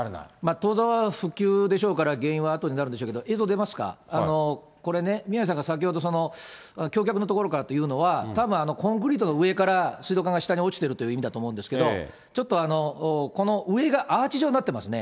当座は復旧でしょうから、原因はあとになるでしょうけど、映像出ますか、これね、宮根さんが先ほど、橋脚の所からというのは、たぶんコンクリートの上から水道管が下に落ちているという意味だと思うんですけども、ちょっとこの上がアーチ状になってますね。